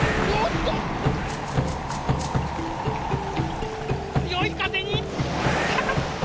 つよい風に。